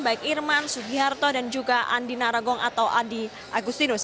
baik irman sugiharto dan juga andi narogong atau adi agustinus